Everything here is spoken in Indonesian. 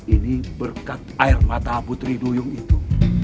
ini berkat air mata putri duyung itu